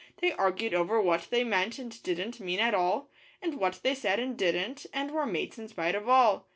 They argued over what they meant and didn't mean at all, And what they said and didn't and were mates in spite of all.